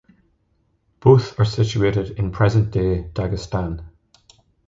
Both are situated in present-day Dagistan.